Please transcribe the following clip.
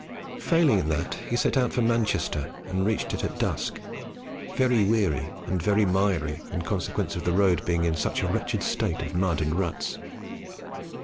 Failing in that, he set out for Manchester and reached it at dusk, very weary and very miry in consequence of the road being in such a wretched state of mud and ruts.